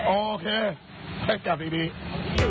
โอเคให้จับอีกที